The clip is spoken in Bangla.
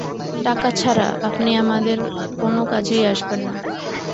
টাকা ছাড়া, আপনি আমাদের কোনো কাজেই আসবেন না।